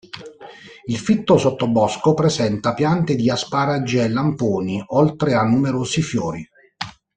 Il fitto sottobosco presenta piante di asparagi e lamponi, oltre a numerosi fiori.